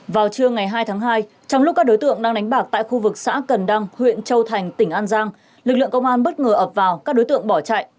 vào trưa ngày hai tháng hai trong lúc các đối tượng đang đánh bạc tại khu vực xã cần đăng huyện châu thành tỉnh an giang lực lượng công an bất ngờ ập vào các đối tượng bỏ chạy